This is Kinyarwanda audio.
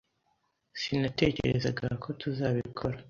Sinatekerezaga ko tuzabikora.